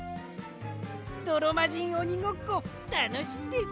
どろまじんおにごっこたのしいです！